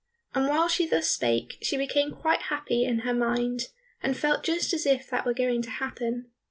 And while she thus spake, she became quite happy in her mind, and felt just as if that were going to happen.